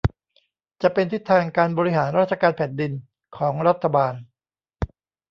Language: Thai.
จะเป็นทิศทางการบริหารราชการแผ่นดินของรัฐบาล